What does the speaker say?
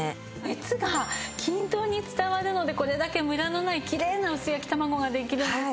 熱が均等に伝わるのでこれだけムラのないきれいな薄焼き卵ができるんですね。